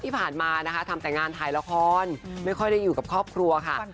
ที่ผ่านมานะคะทำแต่งานถ่ายละครไม่ค่อยได้อยู่กับครอบครัวค่ะ